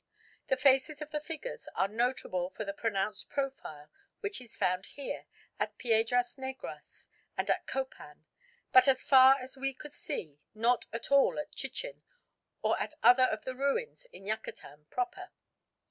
The faces of the figures are notable for the pronounced profile which is found here, at Piedras Negras, and at Copan, but as far as we could see not at all at Chichen or at other of the ruins in Yucatan proper.